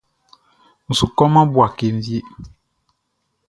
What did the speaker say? N su kɔman Bouaké wie.